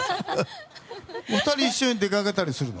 ２人は一緒に出かけたりするの？